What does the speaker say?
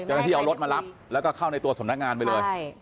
เจ้าหน้าที่เอารถมารับแล้วก็เข้าในตัวสำนักงานไปเลย